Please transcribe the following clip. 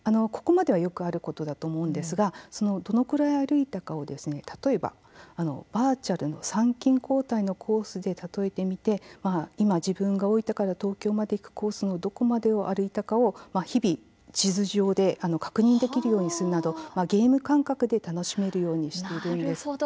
ここまではよくあることだと思うんですがどのぐらい歩いたかを例えばバーチャルの参勤交代のコースで例えてみて今、自分が大分から東京まで行くコースのどこまで歩いたかを日々地図上で確認できるようにするなどゲーム感覚で楽しめるようにしているんです。